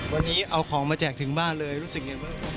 วันนี้เอาของมาแจกถึงบ้านเลยรู้สึกยังไงบ้าง